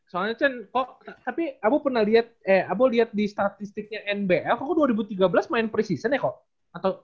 soalnya chen kok tapi abu pernah liat di statistiknya nbl kok dua ribu tiga belas main pre season ya kok